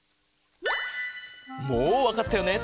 もうわかったよね？